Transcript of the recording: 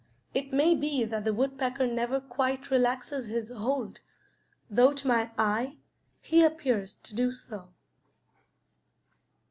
It may be that the woodpecker never quite relaxes his hold, though to my eye he appears to do so.